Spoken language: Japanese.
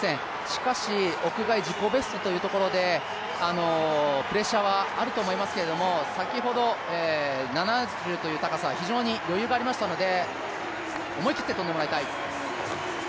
しかし、屋外自己ベストというところでプレッシャーはあると思いますけれども先ほど７０という高さ、非常に余裕がありましたので思い切って跳んでもらいたい。